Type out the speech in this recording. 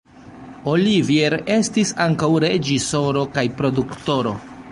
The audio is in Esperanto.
Olivier estis ankaŭ reĝisoro kaj produktoro.